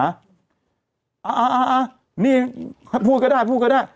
อ่าพูดก็ได้พูดก็ได้